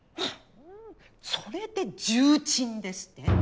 それで重鎮ですって？